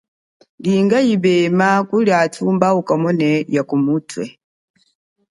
Linga ipema kuli athu mba umone yakuluthwe.